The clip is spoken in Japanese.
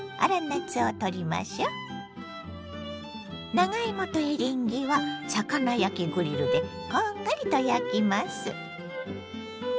長芋とエリンギは魚焼きグリルでこんがりと焼きます。